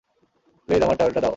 Please, আমার towel টা দাও।